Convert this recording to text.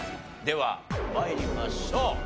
では参りましょう。